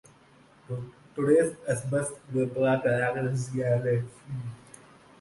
Today's Asbest is a large industrial center.